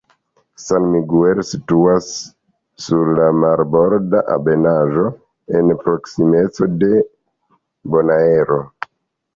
San Miguel situas sur la marborda ebenaĵo en proksimeco de Bonaero.